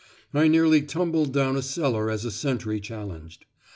I nearly tumbled down a cellar as a sentry challenged.